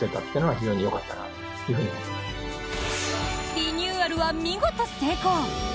リニューアルは見事成功。